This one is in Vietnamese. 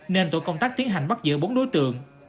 nên tổ công tác tiến hành bắt giữ bốn đối tượng